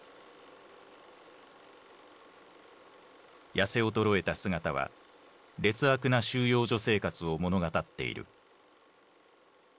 痩せ衰えた姿は劣悪な収容所生活を物語っている。